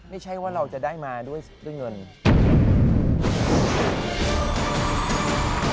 ไม่ใช่ว่าเราจะได้มาด้วยเงิน